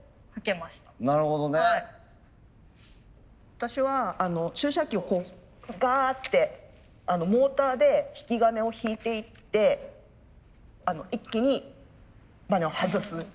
私は注射器をこうガーってモーターで引き金を引いていって一気にバネを外す。